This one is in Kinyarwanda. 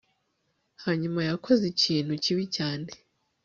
hanyuma yakoze ikintu kibi cyane